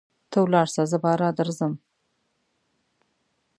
ته ولاړسه زه باره درځم.